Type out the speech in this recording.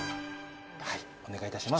はいお願い致します。